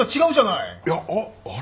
いやああれ？